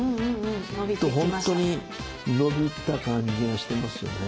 本当に伸びた感じしてますよね。